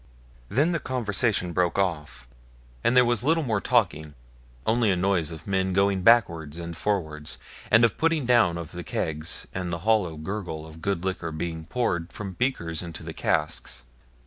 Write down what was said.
Then the conversation broke off, and there was little more talking, only a noise of men going backwards and forwards, and of putting down of kegs and the hollow gurgle of good liquor being poured from breakers into the casks.